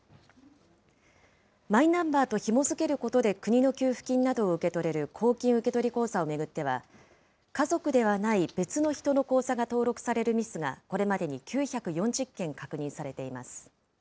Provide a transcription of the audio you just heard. マイナンバーとひも付けることで国の給付金などを受け取れる公金受取口座を巡っては、家族ではない別の人の口座が登録されるミスがこれまでに９４０件確認されています。